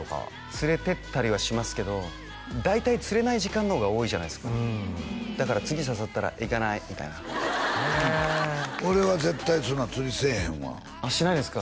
連れてったりはしますけど大体釣れない時間の方が多いじゃないですかだから次誘ったら「行かない」みたいなへえ俺は絶対そんな釣りせえへんわしないですか？